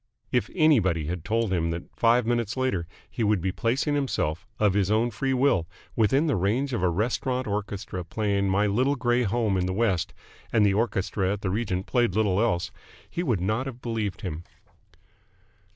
If anybody had told him then that five minutes later he would be placing himself of his own free will within the range of a restaurant orchestra playing "My Little Grey Home in the West" and the orchestra at the Regent played little else he would not have believed him.